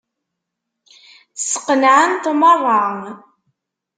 Sqenɛent meṛṛa.